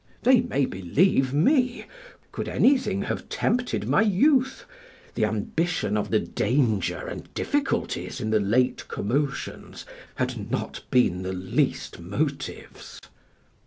They may believe me: could anything have tempted my youth, the ambition of the danger and difficulties in the late commotions had not been the least motives.